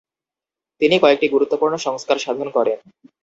তিনি কয়েকটি গুরুত্বপূর্ণ সংস্কার সাধন করেন।